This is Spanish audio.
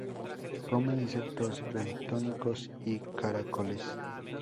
Come insectos bentónicos y caracoles.